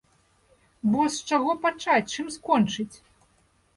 Бо з чаго пачаць, чым скончыць?!